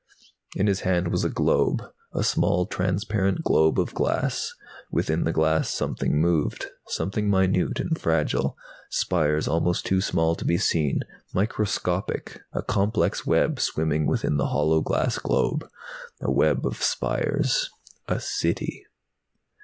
In his hand was a globe, a small transparent globe of glass. Within the glass something moved, something minute and fragile, spires almost too small to be seen, microscopic, a complex web swimming within the hollow glass globe. A web of spires. A City.